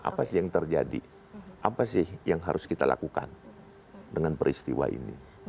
apa sih yang terjadi apa sih yang harus kita lakukan dengan peristiwa ini